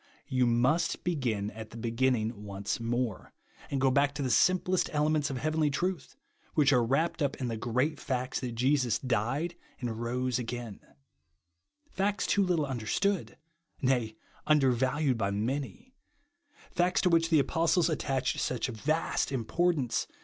You must begin at the beginning once more ; and go back to the simplest elements of heavenly truths which are wrapped up in the great facts that Jesus died and rose again; facts too little understood, nay, un dervalued by many ; facts to which the apostles attached such vast importance